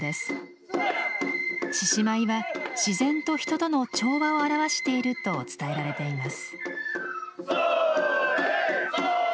獅子舞は自然と人との調和を表していると伝えられています。